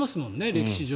歴史上。